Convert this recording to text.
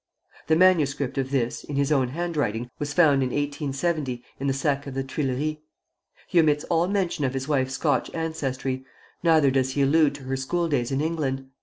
The manuscript of this, in his own handwriting, was found in 1870 in the sack of the Tuileries. He omits all mention of his wife's Scotch ancestry, neither does he allude to her school days in England.